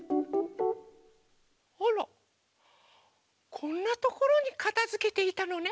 あらこんなところにかたづけていたのね。